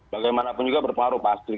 bagaimanapun juga berpengaruh pasti